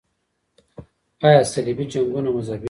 آیا صلیبي جنګونه مذهبي وو؟